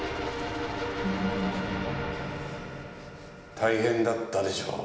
大変だったでしょう。